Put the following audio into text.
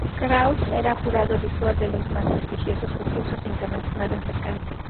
Krause era jurado habitual de los más prestigiosos concursos internacionales de canto.